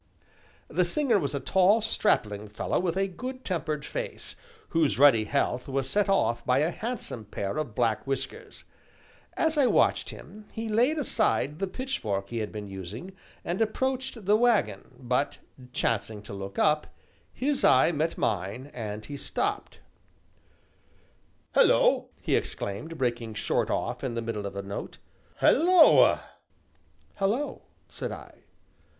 The singer was a tall, strapping fellow with a good tempered face, whose ruddy health was set off by a handsome pair of black whiskers. As I watched him, he laid aside the pitchfork he had been using, and approached the wagon, but, chancing to look up, his eye met mine, and he stopped: "Hulloa!" he exclaimed, breaking short off in the middle of a note, "hulloa!" "Hallo!" said I.